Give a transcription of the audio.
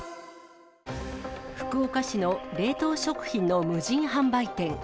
福岡市の冷凍食品の無人販売店。